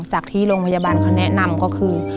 จากที่โรงพยาบาลเขาแนะนำก็คือ